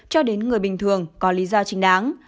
những người bình thường có lý do chính đáng